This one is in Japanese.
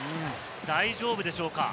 大丈夫でしょうか？